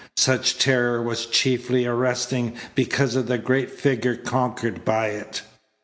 Such terror was chiefly arresting because of the great figure conquered by it.